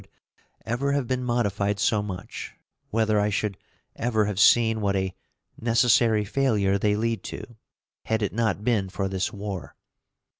would ever have been modified so much, whether I should ever have seen what a necessary failure they lead to, had it not been for this war.